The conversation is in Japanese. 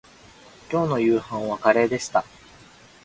きょうの夕飯はカレーでした